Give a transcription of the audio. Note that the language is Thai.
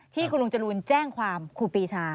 ที่คุณลุงจรูนแจ้งความครูปีชา